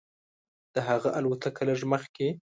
د هغه الوتکه لږ مخکې.